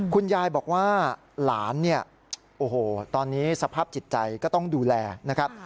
คุณยายบอกว่าหลานเนี่ยโอ้โหตอนนี้สภาพจิตใจก็ต้องดูแลนะครับ